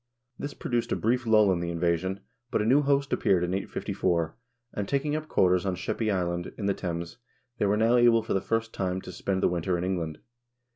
This produced a brief lull in the invasion, but a new host appeared in 854, and, taking up quarters on Sheppey Island, in the Thames, they were now able for the first time to spend the winter in England.